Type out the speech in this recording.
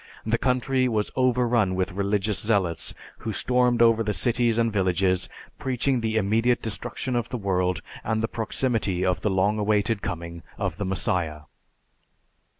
The country was overrun with religious zealots who stormed over the cities and villages preaching the immediate destruction of the world and the proximity of the long awaited coming of the Messiah.